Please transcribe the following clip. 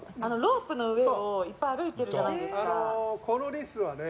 このリスはね